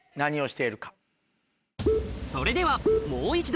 それではもう一度